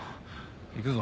行くぞ。